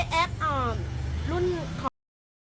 ร่วม